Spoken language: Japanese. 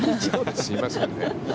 すいませんね。